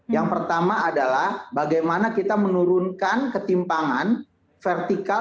yang pertama adalah bagaimana kita menurunkan ketimpangan vertikal